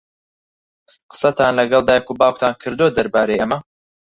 قسەتان لەگەڵ دایک و باوکتان کردووە دەربارەی ئەمە؟